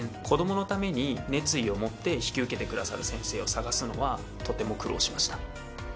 子どものために熱意を持って引き受けてくださる先生を探すのはとても苦労しました。